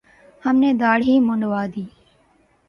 ہم نے دھاڑی منڈوادی